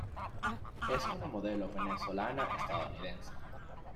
Es una Modelo Venezolana-Estadounidense.